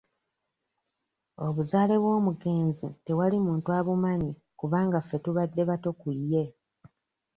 Obuzaale bw'omugenzi tewali muntu abumanyi kubanga ffe tubadde bato ku ye.